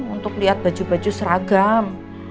untuk lihat baju baju seragam